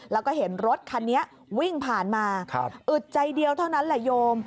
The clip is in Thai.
แล้วก็เห็นรถคันนี้วิ่งผ่านมาอึดใจเดียวเท่านั้นแหละโยม